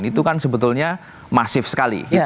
itu kan sebetulnya masif sekali